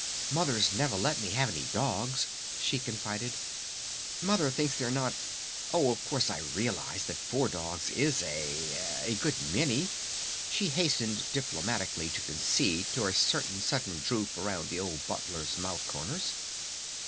"Mother's never let me have any dogs," she confided. "Mother thinks they're not Oh, of course, I realize that four dogs is a a good many," she hastened diplomatically to concede to a certain sudden droop around the old Butler's mouth corners.